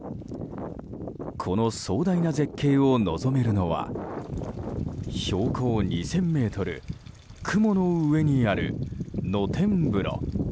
この壮大な絶景を望めるのは標高２０００ｍ雲の上にある露天風呂。